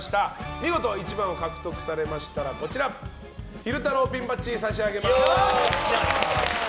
見事１番を獲得されましたらこちら、昼太郎ピンバッジを差し上げます。